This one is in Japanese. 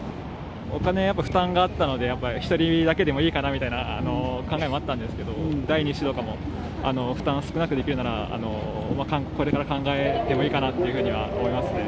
お金への負担がやっぱりあったので、やっぱり１人だけでもいいかなみたいな考えもあったんですけど、第２子とかも負担少なくできるなら、これから考えてもいいかなというふうには思いますね。